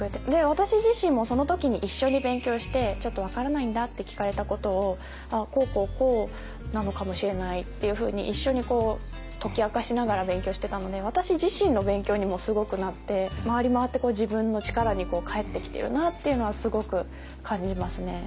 私自身もその時に一緒に勉強してちょっと分からないんだって聞かれたことをこうこうこうなのかもしれないっていうふうに一緒に解き明かしながら勉強してたので私自身の勉強にもすごくなって回り回って自分の力に返ってきているなっていうのはすごく感じますね。